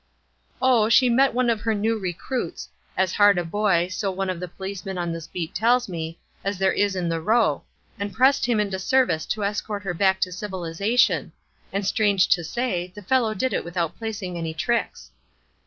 "Oh, she met one of her new recruits, as hard a boy, so one of the policemen on this beat tells me, as there is in the row, and pressed him into service to escort her back to civilization; and strange to say, the fellow did it without placing any tricks."